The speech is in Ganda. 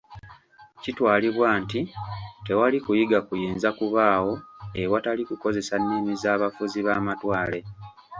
Kitwalibwa nti tewali kuyiga kuyinza kubaawo ewatali kukozesa nnimi za bafuzi ba matwale.